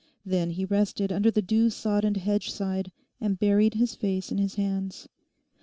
Then he rested under the dew sodden hedgeside and buried his face in his hands.